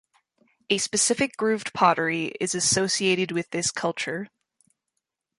A specific grooved pottery is associated with this culture.